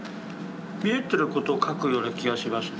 見えてることを描くような気がしますね。